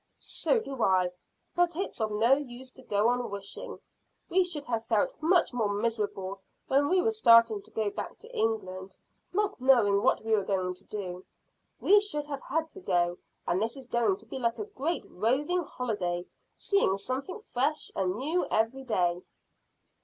"So do I, but it's of no use to go on wishing. We should have felt much more miserable when we were starting to go back to England, not knowing what we were going to do. We should have had to go, and this is going to be like a great roving holiday, seeing something fresh and new every day."